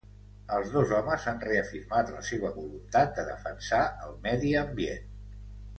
Els dos homes han reafirmat la seva voluntat de defensar el medi ambient.